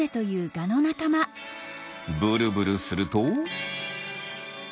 ブルブルすると。